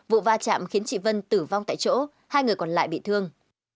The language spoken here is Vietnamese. vụ va chạm khiến chị vân tử vong tại chỗ hai người còn lại bị thương